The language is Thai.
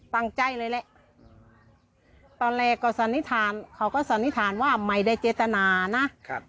ตั้งใจเลยแหละตอนแรกก็สันนิษฐานเขาก็สันนิษฐานว่าไม่ได้เจตนานะครับ